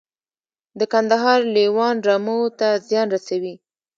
د کندهار لیوان رمو ته زیان رسوي؟